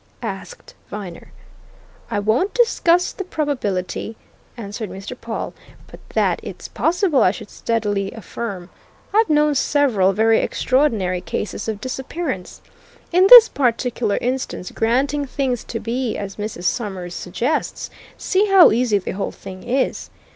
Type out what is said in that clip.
asked Viner. "I won't discuss the probability," answered Mr. Pawle, "but that it's possible I should steadily affirm. I've known several very extraordinary cases of disappearance. In this particular instance granting things to be as Mrs. Summers suggests see how easy the whole thing is.